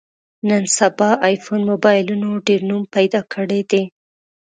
نن سبا ایفون مبایلونو ډېر نوم پیدا کړی دی.